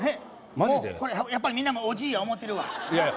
もうこれやっぱりみんなもおじいや思うてるわいやいや